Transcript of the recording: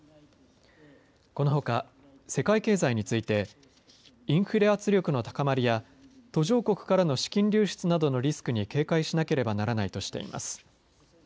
このほか世界経済についてインフレ圧力の高まりや途上国からの資金流出などのリスクに警戒しなければならないとしています。